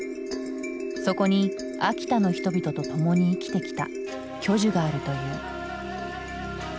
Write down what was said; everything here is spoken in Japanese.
そこに秋田の人々と共に生きてきた巨樹があるという。